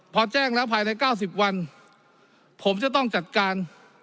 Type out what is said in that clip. พอแจ้งแล้วภายใน๙๐วันผมจะต้องจัดการ